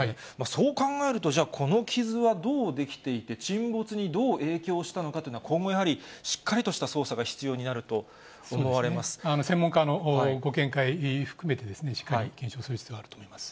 そうなりますと、じゃあ、この傷はどう出来ていて、沈没にどう影響したのかというのは、今後、やはりしっかりとした捜査専門家のご見解含めて、しっかり検証する必要があると思います。